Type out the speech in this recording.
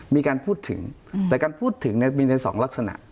มีการพูดถึงแต่การพูดถึงมีในสองลักษณะ